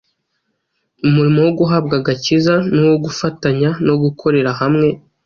Umurimo wo guhabwa agakiza ni uwo gufatanya no gukorera hamwe.